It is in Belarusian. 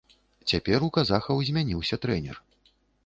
Цяпер у казахаў змяніўся трэнер.